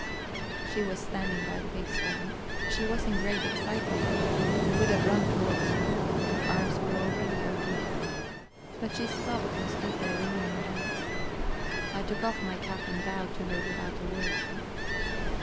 She was standing by the big stone. She was in great excitement, and would have run towards me; her arms were already opened. But she stopped, and stood there wringing her hands. I took off my cap and bowed to her without a word.